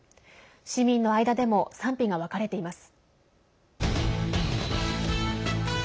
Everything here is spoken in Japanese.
市民の間でも賛否が分かれています。